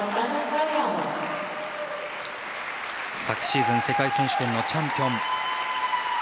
昨シーズン、世界選手権のチャンピオン。